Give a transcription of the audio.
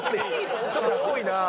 ちょっと多いな。